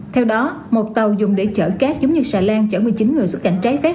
theo đó một tàu dùng để chở cát giống như xà lan chở một mươi chín người xuất cảnh trái phép